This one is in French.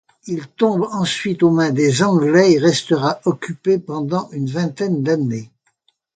Il tombe ensuite aux mains des Anglais et restera occupé pendant une vingtaine d'années.